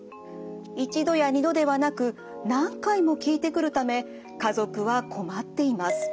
１度や２度ではなく何回も聞いてくるため家族は困っています。